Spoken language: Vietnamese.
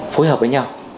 phối hợp với nhau